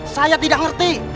saya tidak ngerti